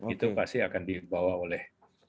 itu pasti akan dibawa oleh